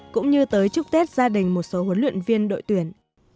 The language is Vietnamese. cũng như tới chúc tết gia đình một số huấn luyện viên đội tuyển